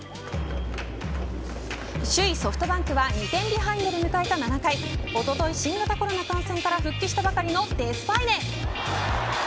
首位ソフトバンクは２点ビハインドで迎えた７回おととい新型コロナ感染から復帰したばかりのデスパイネ。